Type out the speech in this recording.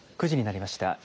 ９時になりました。